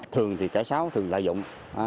thường thì kẻ xáo thường lạ dụng